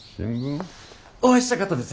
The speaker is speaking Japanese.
お会いしたかったです